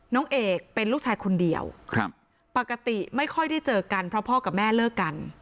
น้องเอกเป็นลูกชายคนเดียวครับปกติไม่ค่อยได้เจอกันเพราะพ่อกับแม่เลิกกัน